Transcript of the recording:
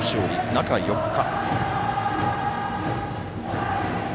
中４日。